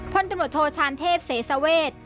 พลตำรวจโทชานเทพเสสเวท